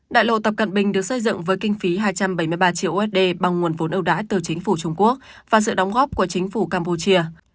đại lộ tập cận bình được xây dựng với kinh phí hai trăm bảy mươi ba triệu usd bằng nguồn vốn ưu đãi từ chính phủ trung quốc và sự đóng góp của chính phủ campuchia